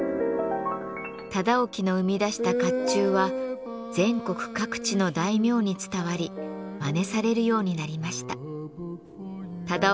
忠興の生み出した甲冑は全国各地の大名に伝わりまねされるようになりました。